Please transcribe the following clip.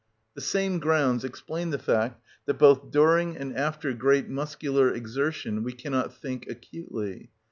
The same grounds explain the fact that both during and after great muscular exertion we cannot think acutely.